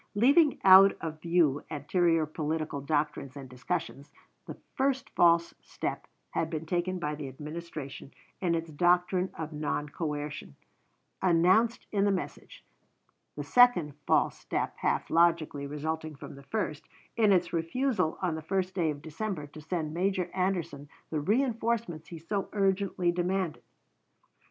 Leaving out of view anterior political doctrines and discussions, the first false step had been taken by the Administration in its doctrine of non coercion, announced in the message; the second false step half logically resulting from the first, in its refusal on the first day of December to send Major Anderson the reënforcements he so urgently demanded.